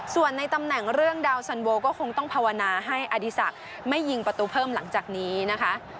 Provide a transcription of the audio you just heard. ส่วนในตำแหน่งเรื่องดาวสันโวก็คงต้องภาวนาให้อดีศักดิ์ไม่ยิงประตูเพิ่มหลังจากนี้นะคะ